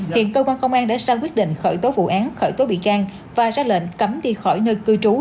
hiện cơ quan công an đã sang quyết định khởi tố vụ án khởi tố bị can và ra lệnh cấm đi khỏi nơi cư trú